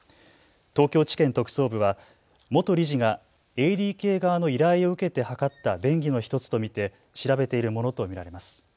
東京地検特捜部は元理事がＡＤＫ側の依頼を受けて図った便宜の１つと見て調べているものと見られます。